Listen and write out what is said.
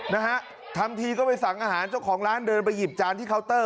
นะฮะทำทีก็ไปสั่งอาหารเจ้าของร้านเดินไปหยิบจานที่เคาน์เตอร์